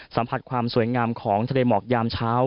สัมผัสความสวยงามของทะเลหมอกยามเช้า